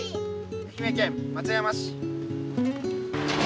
愛媛県松山市。